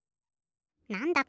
なんだ？